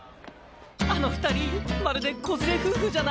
あの２人まるで子連れ夫婦じゃない？